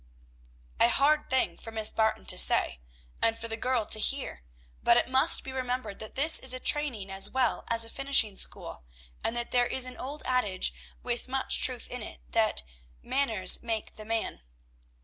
A hard thing for Miss Barton to say, and for the girl to hear; but it must be remembered that this is a training as well as a finishing school, and that there is an old adage with much truth in it, that "manners make the man."